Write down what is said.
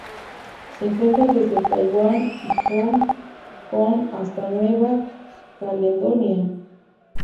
Se encuentra desde Taiwán y Hong Kong hasta Nueva Caledonia